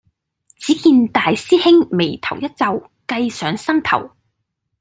只見大師兄眉頭一皺，計上心頭